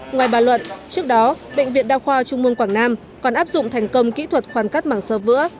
ngoài bà luận trước đó bệnh viện đa khoa trung mương quảng nam còn áp dụng thành công kỹ thuật khoan cắt mảng sơ vữa